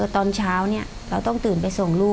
ตอนเช้าเราต้องตื่นไปส่งลูก